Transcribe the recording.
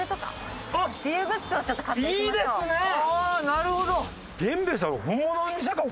なるほど。